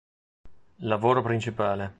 Lavoro principale.